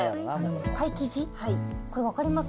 パイ生地、これ、分かります？